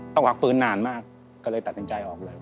พักฟื้นนานมากก็เลยตัดสินใจออกเลย